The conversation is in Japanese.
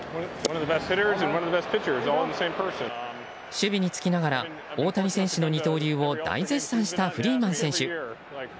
守備につきながら大谷選手の二刀流を大絶賛したフリーマン選手。